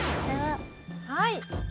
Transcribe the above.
はい。